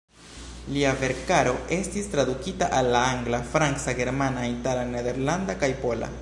Lia verkaro estis tradukita al la angla, franca, germana, itala, nederlanda kaj pola.